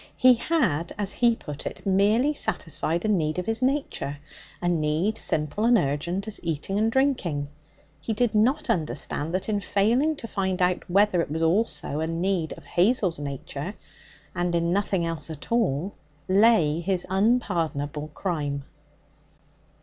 He had, as he put it, merely satisfied a need of his nature a need simple and urgent as eating and drinking. He did not understand that in failing to find out whether it was also a need of Hazel's nature and in nothing else at all lay his unpardonable crime.